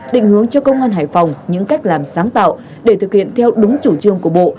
định hướng cho công an hải phòng những cách làm sáng tạo để thực hiện theo đúng chủ trương của bộ